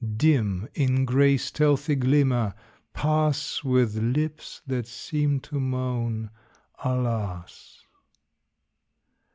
Dim in gray, stealthy glimmer, pass With lips that seem to moan "Alas."